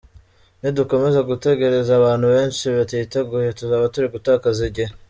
Nidukomeza gutegereza abantu benshi batiteguye, tuzaba turi gutakaza igihe.